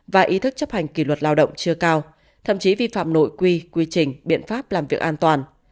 và ý thức chấp hành kỷ luật lao động chưa cao thậm chí vi phạm nội quy quy trình biện pháp làm việc an toàn